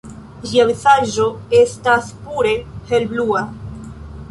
Ĝia vizaĝo estas pure helblua.